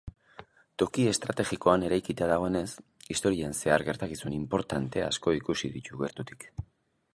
Toki estrategikoan eraikita dagoenez, historian zehar gertakizun inportante asko ikusi ditu gertutik.